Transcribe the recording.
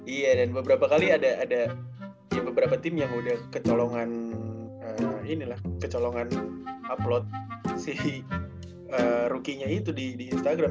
iya dan beberapa kali ada beberapa tim yang udah kecolongan kecolongan upload si rookienya itu di instagram